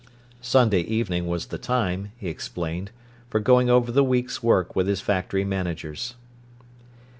Sunday evening was the time, he explained, for going over the week's work with his factory managers.